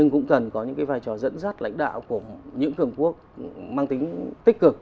cũng cần có những vai trò dẫn dắt lãnh đạo của những cường quốc mang tính tích cực